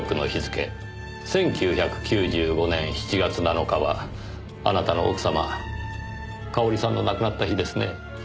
１９９５年７月７日はあなたの奥様香織さんの亡くなった日ですね。